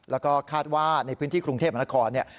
แล้วก็คาดว่าในพื้นที่กรุงเทพธรรมนคร